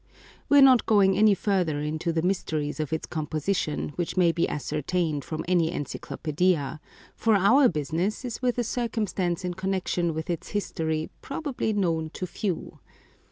We are not going any further into the mysteries of its composition, which may be ascertained from any encyclopaedia, for our business is with a cir cumstance in connection with its history probably known to few.